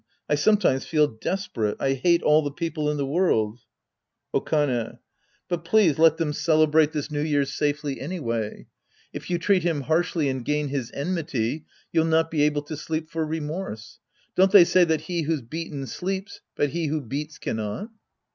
I sometimes feel desperate. I hate all the people in the world. Okane. But please let them celebrate tWs New 18 The Priest and His Disciples Act I Year's safely anyway. If you treat him harshly and gain his enmity, you'll not be able to sleep for remorse. Don't they say that he who's beaten sleeps, but he who beats cannot